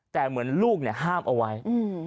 แต่เหมือนลูกเนี่ยห้ามเอาไว้อืม